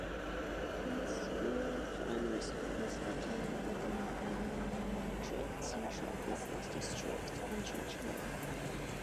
Kingsmoor Primary School is located within Bawdrip Central Business District, on Church road.